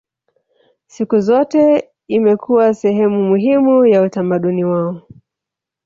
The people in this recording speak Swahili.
Siku zote imekuwa sehemu muhimu ya utamaduni wao